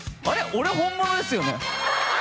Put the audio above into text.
俺本物ですよね？